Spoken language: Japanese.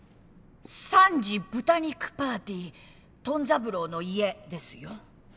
「３時豚肉パーティートン三郎の家」ですよ。